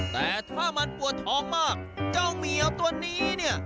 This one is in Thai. แต่ถ้ามันปวดท้องมากเจ้าเหมียวตัวนี้เนี่ย